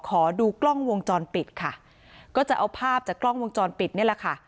ขอดูกล้องวงจรปิดค่ะก็จะเอาภาพจากกล้องวงจรปิดนี่แหละค่ะ